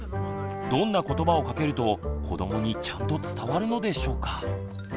どんな言葉をかけると子どもにちゃんと伝わるのでしょうか。